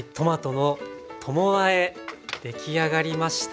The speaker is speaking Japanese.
出来上がりました。